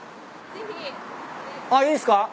あっいいっすか？